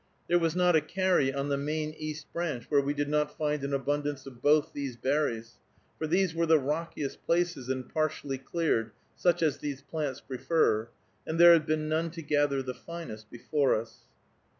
There was not a carry on the main East Branch where we did not find an abundance of both these berries, for these were the rockiest places, and partially cleared, such as these plants prefer, and there had been none to gather the finest before us.